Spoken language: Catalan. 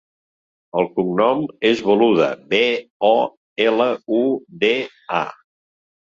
El cognom és Boluda: be, o, ela, u, de, a.